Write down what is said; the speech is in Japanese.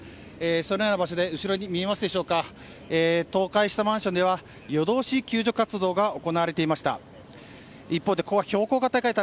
そのような場所で後ろに見えますでしょうか倒壊したマンションでは、夜通し救助活動が行われていました。